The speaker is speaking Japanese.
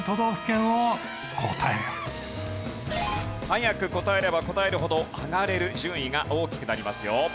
早く答えれば答えるほど上がれる順位が大きくなりますよ。